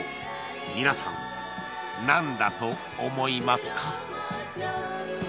皆さんなんだと思いますか？